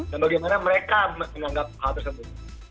dan bagaimana mereka menanggap hal tersebut